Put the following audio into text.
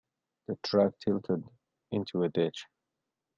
The truck tilted into a ditch.